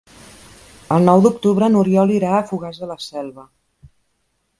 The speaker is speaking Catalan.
El nou d'octubre n'Oriol irà a Fogars de la Selva.